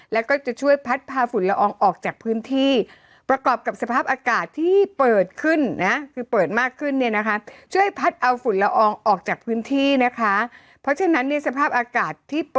แล้วก็จะช่วยพัดพาฝุ่นละอองออกจากพื้นที่ประกอบกับสภาพอากาศที่เปิดขึ้นนะ